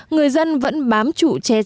người dân vẫn bám chủ che chai